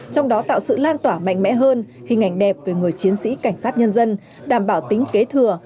trong đó tạo sự lan tỏa mạnh mẽ hơn hình ảnh đẹp về người chiến sĩ cảnh sát nhân dân đảm bảo tính kế thừa